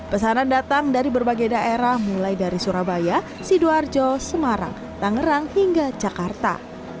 pesanan datang dari berbagai daerah mulai dari surabaya sidoarjo semarang tangerang hingga jakarta